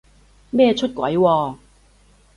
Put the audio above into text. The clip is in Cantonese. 咩出軌喎？